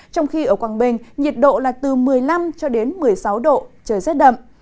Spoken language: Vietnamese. trong khi ở quảng bình nhiệt độ là từ một mươi năm một mươi sáu độ trời rét đậm